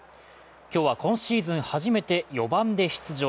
今日は、今シーズン初めて４番で出場。